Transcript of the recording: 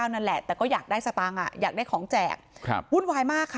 นั่นแหละแต่ก็อยากได้สตางค์อ่ะอยากได้ของแจกครับวุ่นวายมากค่ะ